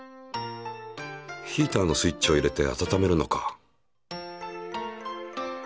ヒーターのスイッチを入れて温めるのか。